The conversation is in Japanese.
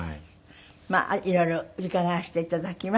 まあ色々伺わせて頂きます。